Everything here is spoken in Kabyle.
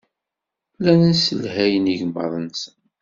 Llan sselhayen igmaḍ-nsen.